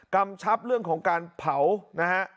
กำชับเรื่องของการเผานะฮะ